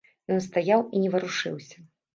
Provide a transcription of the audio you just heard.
Ён стаяў і не варушыўся.